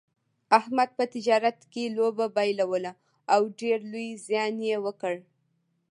احمد په تجارت کې لوبه بایلوله او ډېر لوی زیان یې وکړ.